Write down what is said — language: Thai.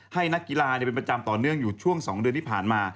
นักกีฬาเป็นประจำต่อเนื่องอยู่ช่วง๒เดือนที่ผ่านมา